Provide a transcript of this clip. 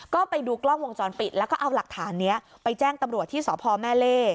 ก็ไปดูกล้องวงจรปิดแล้วก็เอาหลักฐานนี้ไปแจ้งตำรวจที่สพแม่เล่